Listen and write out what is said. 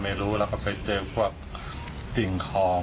ครับครับครับครับครับครับครับครับครับครับ